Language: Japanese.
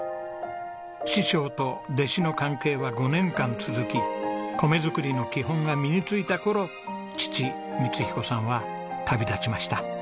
師匠と弟子の関係は５年間続き米作りの基本が身についた頃父光彦さんは旅立ちました。